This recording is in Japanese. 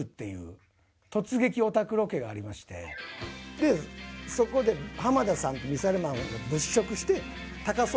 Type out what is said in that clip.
でそこで浜田さんとミサイルマンが。